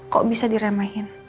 kok bisa diremehin